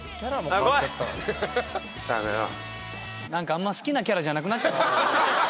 何かあんま好きなキャラじゃなくなっちゃったな。